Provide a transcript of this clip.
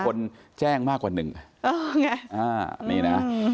อันนี้แม่งอียางเนี่ย